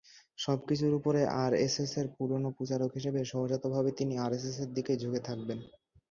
সবকিছুর ওপরে আরএসএসের পুরোনো প্রচারক হিসেবে সহজাতভাবেই তিনি আরএসএসের দিকেই ঝুঁকে থাকবেন।